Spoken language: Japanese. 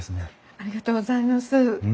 ありがとうございます。